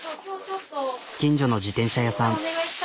近所の自転車屋さん。